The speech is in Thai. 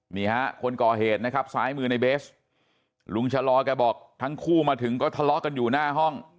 นี่ฮะคนก่อเหตุนะครับซ้ายมือในเบสลุงชะลอแกบอกทั้งคู่มาถึงก็ทะเลาะกันอยู่หน้าห้อง